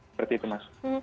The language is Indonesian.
seperti itu mas